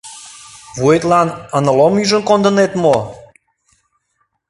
— Вуетлан НЛО-м ӱжын кондынет мо?